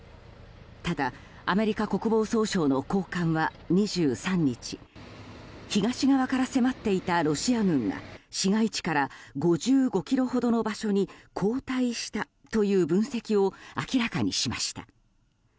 ただ、アメリカ国防総省の高官は２３日東側から迫っていたロシア軍が市街地から５５ｋｍほどの場所に後退したという分析を明らかにしました。